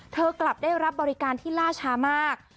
กลับได้รับบริการที่ล่าช้ามาก